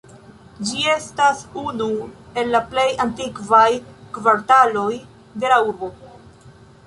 Ĝi estas unu el la plej antikvaj kvartaloj de la urbo.